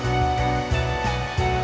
di sana terus ya